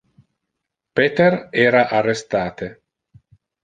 Peter era arrestate.